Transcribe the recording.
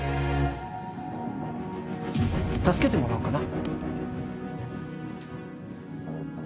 助けてもらおうかな